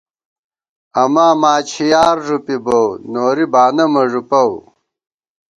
اماں ماچھیار ݫُپی بوؤ ، نوری بانہ مہ ݫُپَؤ